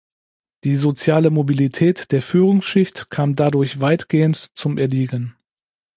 Die soziale Mobilität der Führungsschicht kam dadurch weitgehend zum Erliegen.